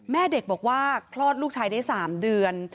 แม่เด็กบอกว่าคลอดลูกชายได้๓เดือน